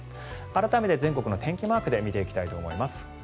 改めて全国の天気マークで見ていきたいと思います。